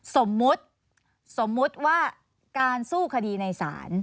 สมมุติว่าการสู้คดีในศาล